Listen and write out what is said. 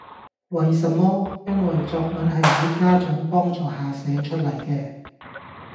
為什麼?因為作文係喺家長幫助下寫出嚟嘅